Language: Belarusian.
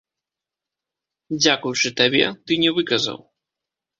Дзякуючы табе, ты не выказаў.